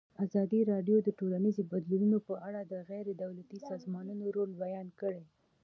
ازادي راډیو د ټولنیز بدلون په اړه د غیر دولتي سازمانونو رول بیان کړی.